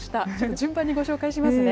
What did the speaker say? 順番にご紹介しますね。